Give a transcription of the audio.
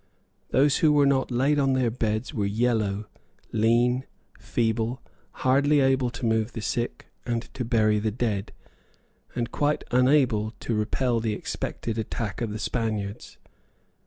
Those who were not laid on their beds were yellow, lean, feeble, hardly able to move the sick and to bury the dead, and quite unable to repel the expected attack of the Spaniards.